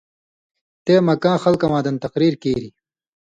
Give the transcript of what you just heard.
تے مکّاں خلکہ واں دَن تقریر کیریۡ